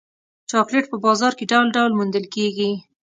چاکلېټ په بازار کې ډول ډول موندل کېږي.